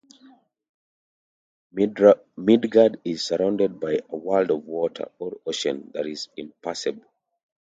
Midgard is surrounded by a world of water, or ocean, that is impassable.